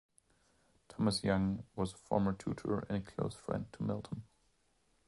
Thomas Young was a former tutor and close friend to Milton.